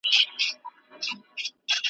خو په كور كي د شيطان لكه زمرى وو .